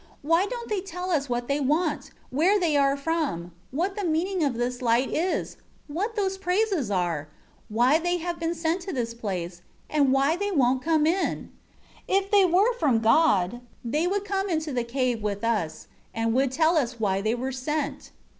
Why don't they tell us what they want, where they are from, what the meaning of this light is, what those praises are, why they have been sent to this place, and why they won't come in? 8 If they were from God, they would come into the cave with us, and would tell us why they were sent."